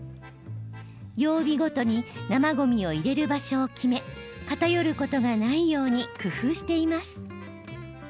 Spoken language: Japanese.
曜日ごとに生ごみを入れる場所を決め偏ることがないように工夫しています。